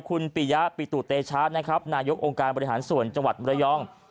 คุณปียะปิตุเตชะนะครับนายกองค์การบริหารส่วนจังหวัดมรยอง